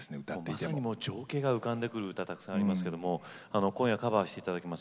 まさにもう情景が浮かんでくる歌たくさんありますけども今夜カバーしていただきます